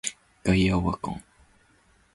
ガイアオワコン